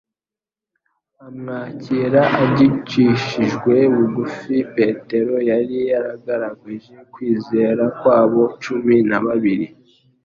amwakira agicishijwe bugufi. Petero yari yagaragaje kwizera kw'abo cumi na babiri.